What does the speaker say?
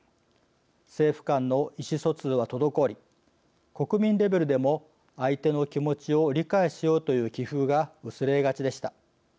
政府間の意思疎通は滞り国民レベルでも相手の気持ちを理解しようという気風が薄れがちでした。